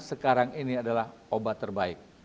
sekarang ini adalah obat terbaik